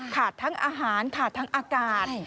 ทั้งอาหารขาดทั้งอากาศ